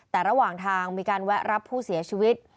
แต่ระหว่างทางมีการแวะรับผู้เสียชีวิต